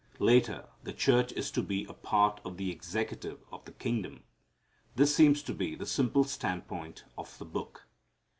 Later the church is to be a part of the executive of the kingdom. This seems to be the simple standpoint of the Book.